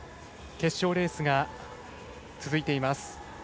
決勝レースが続いています。